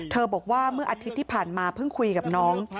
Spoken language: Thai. บอกว่าเมื่ออาทิตย์ที่ผ่านมาเพิ่งคุยกับน้อง